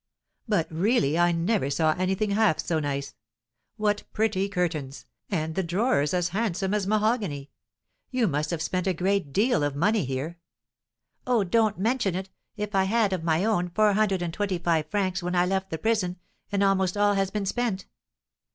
"But really I never saw anything half so nice. What pretty curtains! and the drawers as handsome as mahogany! You must have spent a great deal of money here." "Oh, don't mention it! I had, of my own, four hundred and twenty five francs when I left the prison, and almost all has been spent."